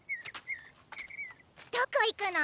どこ行くの？